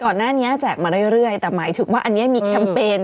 ก่อนหน้านี้แจกมาเรื่อยแต่หมายถึงว่าอันนี้มีแคมเปญ